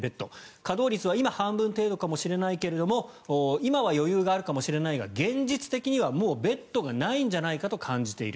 稼働率は今、半分かもしれないけれど今は余裕があるかもしれないが現実的にはベッドがないんじゃないかと感じている。